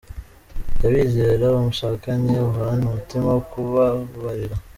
Jya wizera uwo mwashakanye, uhorane umutima wo kubabarira.